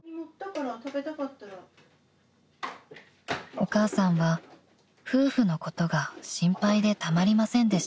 ［お母さんは夫婦のことが心配でたまりませんでした］